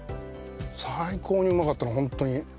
最高にうまかったな、ほんとに。